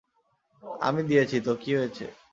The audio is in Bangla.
আমি দিয়েছি, তো কী হয়েছে।